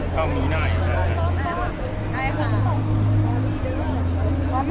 อ๋อน้องมีหลายคน